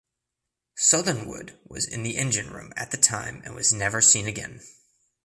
Southernwood was in the engine room at the time and was never seen again.